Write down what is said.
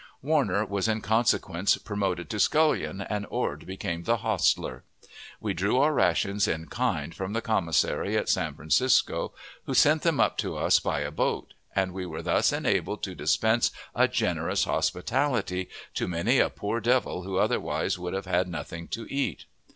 Warner was in consequence promoted to scullion, and Ord became the hostler. We drew our rations in kind from the commissary at San Francisco, who sent them up to us by a boat; and we were thus enabled to dispense a generous hospitality to many a poor devil who otherwise would have had nothing to eat.